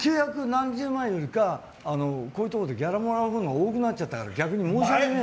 何十万円よりかこういうところでギャラもらうほうが多くなっちゃったから逆に申し訳ない。